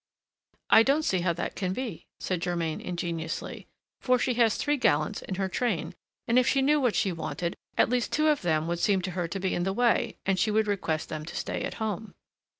"I don't see how that can be," said Germain ingenuously, "for she has three gallants in her train, and if she knew what she wanted, at least two of them would seem to her to be in the way and she would request them to stay at home."